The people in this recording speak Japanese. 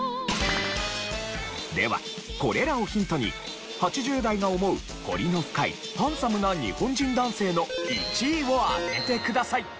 ではこれらをヒントに８０代が思う彫りの深いハンサムな日本人男性の１位を当ててください。